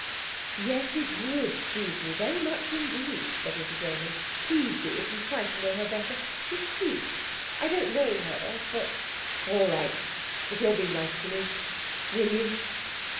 'Yes, it would please me very much indeed,' said Mrs Raymond. 'Please do it, and try to know her better. She's sweet. I don't know her, but ' 'All right. If you'll be nice to me. Will you?'